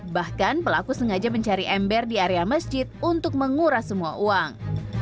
bahkan pelaku sengaja mencari ember di area masjid untuk menguras semua uang